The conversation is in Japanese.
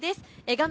画面